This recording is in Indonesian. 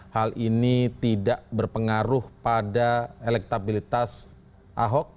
hal ini tidak berpengaruh pada elektabilitas ahok